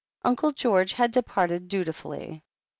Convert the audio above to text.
Uncle George had departed dutifully.